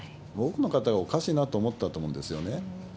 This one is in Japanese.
多くの方がおかしいなと思ったと思うんですよね。